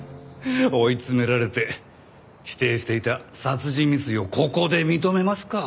追い詰められて否定していた殺人未遂をここで認めますか。